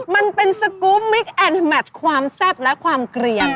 มันเป็นสกรูปมิกแอนแมชความแซ่บและความเกลียน